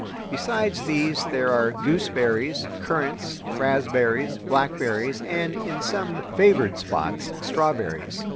Besides these there are gooseberries, currants, raspberries, blackberries, and, in some favored spots, strawberries.